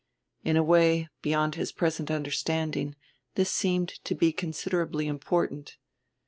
In a way beyond his present understanding this seemed to be considerably important.